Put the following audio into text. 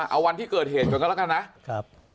เอาวันที่เกิดเหตุก่อนก็แล้วกันนะครับ